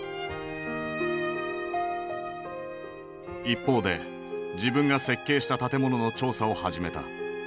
一方で自分が設計した建物の調査を始めた。